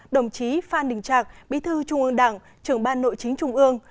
đồng chí phan đình trạc bí thư trung ương đảng trưởng ban nội chính trung ương